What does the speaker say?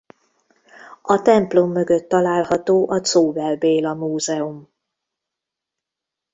A templom mögött található a Czóbel Béla Múzeum.